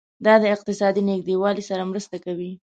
دا د اقتصادي نږدیوالي سره مرسته کوي.